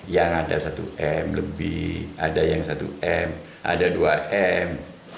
yang ada satu m lebih ada yang satu m ada dua m